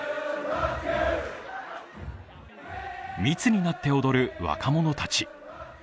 密になって踊る若者たち。